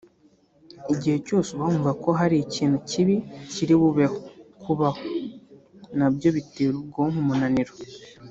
Igihe cyose uba wumva ko hari ikintu kibi kiri bubeho (kubaho) na byo bitera ubwonko umunaniro